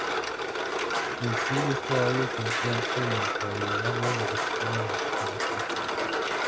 En sí, esta área se encuentra en el paradigma de los sistemas adaptativos complejos.